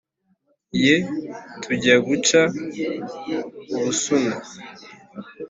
Yeee tujya guca ubusuna